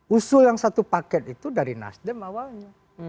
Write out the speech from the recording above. usul yang satu paket itu dari nasdem awalnya